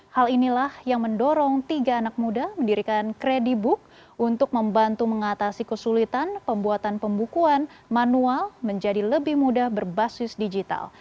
hal inilah yang mendorong tiga anak muda mendirikan kredibook untuk membantu mengatasi kesulitan pembuatan pembukuan manual menjadi lebih mudah berbasis digital